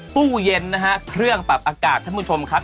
ตู้เย็นนะฮะเครื่องปรับอากาศท่านผู้ชมครับ